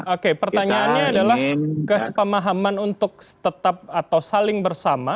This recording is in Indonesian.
oke pertanyaannya adalah kesepamahaman untuk tetap atau saling bersama